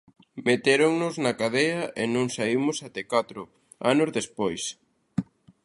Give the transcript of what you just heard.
Metéronnos na cadea e non saímos até catro anos despois.